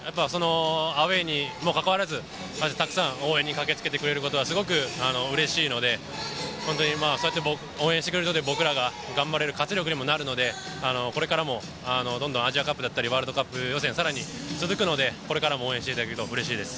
アウェーにもかかわらず、たくさん応援に駆けつけてくれることはすごくうれしいので、そうやって応援してくれることで、僕らが頑張れる活力にもなるので、これからもアジアカップ、ワールドカップ予選さらに続くのでこれからも応援していただけるとうれしいです。